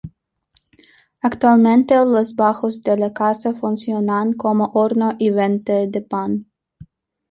Actualmente los bajos de la casa funcionan como horno y venta de pan.